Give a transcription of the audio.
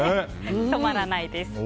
止まらないです。